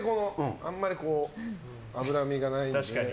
あんまり脂身がないので。